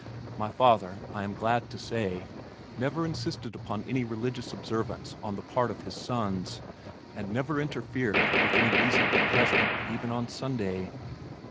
My father, I am glad to say, never insisted upon any religious observance on the part of his sons, and never interfered with any reasonable pleasure even on Sunday.